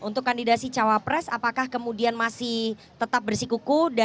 untuk kandidasi cawa pres apakah kemudian masih tetap bersikuku